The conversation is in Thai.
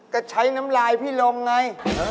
ก็ใช้น้ำลายพี่ลงไง